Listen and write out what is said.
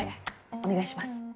お願いします。